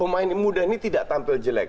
pemain muda ini tidak tampil jelek